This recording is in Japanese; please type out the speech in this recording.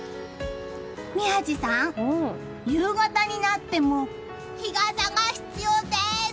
宮司さん、夕方になっても日傘が必要です。